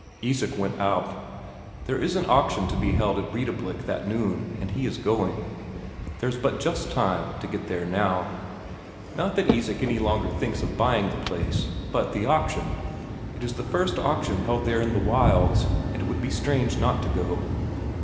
Isak went out. There is an auction to be held at Breidablik that noon, and he is going; there's but just time to get there now. Not that Isak any longer thinks of buying the place, but the auction it is the first auction held there in the wilds, and it would be strange not to go.